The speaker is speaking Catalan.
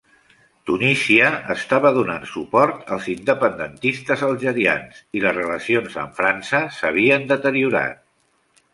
Tunísia estava donant suport als independentistes algerians i les relacions amb França s'havien deteriorat.